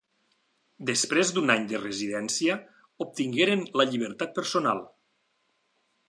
Després d'un any de residència, obtingueren la llibertat personal.